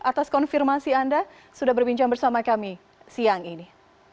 atas konfirmasi anda sudah berbincang bersama kami siang ini